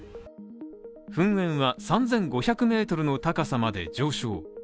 噴煙は３５００ｍの高さまで上昇。